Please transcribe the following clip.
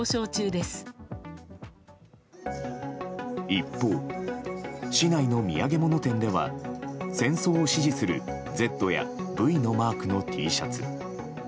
一方、市内の土産物店では戦争を支持する「Ｚ」や「Ｖ」のマークのＴシャツ。